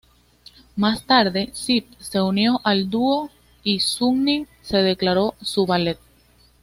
Más tarde, Zip se unió al dúo, y Sunny se declaró su valet.